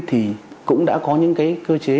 thì cũng đã có những cái cơ chế